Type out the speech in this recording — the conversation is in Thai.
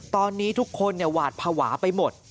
ตอนนี้ทุกคนหวาดภาวะไปหมด